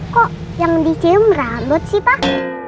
kok yang dj meranut sih pak